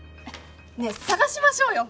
ねえ探しましょうよ